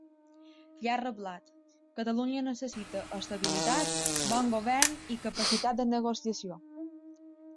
I ha reblat: Catalunya necessita estabilitat, bon govern i capacitat de negociació.